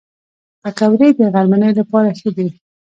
پکورې د غرمنۍ لپاره ښه دي